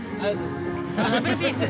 ダブルピース。